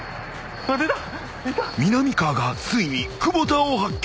［みなみかわがついに久保田を発見］